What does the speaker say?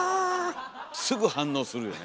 すぐ反応するよね。